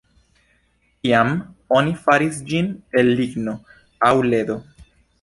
Tiam oni faris ĝin el ligno aŭ ledo.